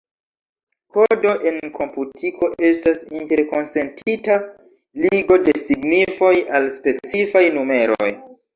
Kodo en komputiko estas interkonsentita ligo de signifoj al specifaj numeroj.